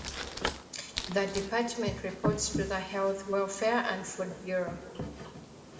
The Department reports to the Health, Welfare and Food Bureau.